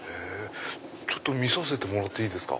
ちょっと見させてもらっていいですか？